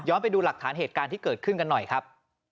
ไปดูหลักฐานเหตุการณ์ที่เกิดขึ้นกันหน่อยครับ